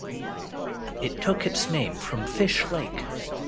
It took its name from Fish Lake.